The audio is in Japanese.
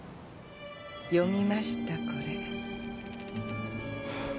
読みましたこれ。